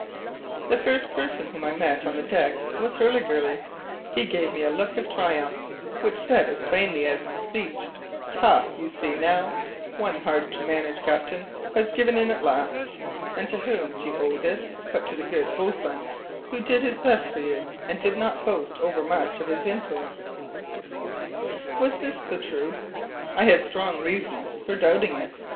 The first person whom I met on the deck was Hurliguerly; he gave me a look of triumph, which said as plainly as speech: "Ha! you see now. Our hard to manage captain has given in at last. And to whom do you owe this, but to the good boatswain who did his best for you, and did not boast overmuch of his influence?" Was this the truth? I had strong reasons for doubting it.